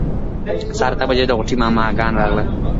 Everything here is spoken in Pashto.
سهار اته بجې د غوټۍ ماما ګان راغلل.